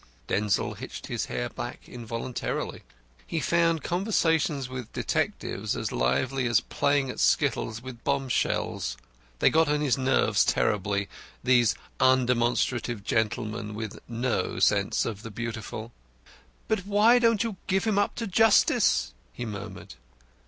Denzil hitched his chair back involuntarily. He found conversation with detectives as lively as playing at skittles with bombshells. They got on his nerves terribly, these undemonstrative gentlemen with no sense of the Beautiful. "But why don't you give him up to justice?" he murmured.